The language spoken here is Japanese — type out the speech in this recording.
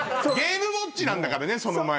ゲームウオッチなんだからね。